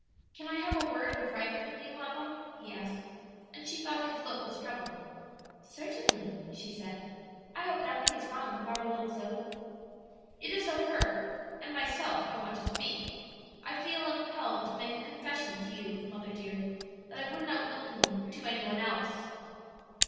"Can I have a word in private with you, mamma?" he asked, and she thought his look was troubled. "Certainly," she said. "I hope nothing is wrong with our little Zoe?" "It is of her and myself I want to speak. I feel impelled to make a confession to you, mother dear, that I would not willingly to any one else.